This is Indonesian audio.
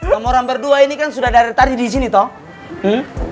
kamu orang berdua ini kan sudah dari tadi disini toh